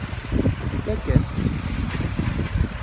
Ifakk-as-tt.